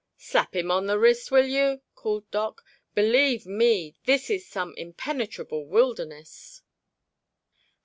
"Slap him on the wrist, will you!" called Doc. "Believe me, this is some impenetrable wilderness!"